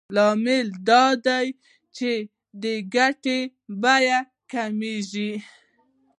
مهم لامل دا دی چې د ګټې بیه کمېږي